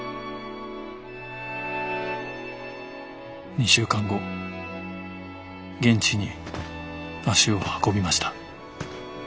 ２週間後現地に足を運びました。